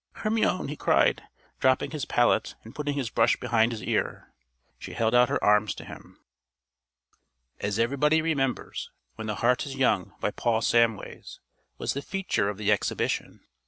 "Hermione!" he cried, dropping his palette and putting his brush behind his ear. She held out her arms to him. As everybody remembers, "When the Heart is Young," by Paul Samways, was the feature of the Exhibition.